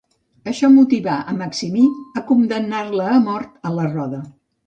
Això motivà a Maximí a condemnar-la a mort a la roda.